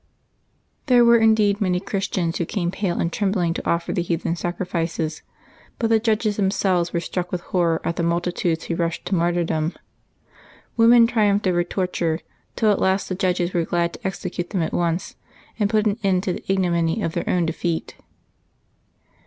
There were indeed many Christians who came, pale and trembling, to offer the heathen sacrifices. But the judges themselves were struck with horror at the multitudes who rushed to mar tyrdom. Women triumphed over torture, till at last the judges were glad to execute them at once and put an end to the ignominy of their own defeat.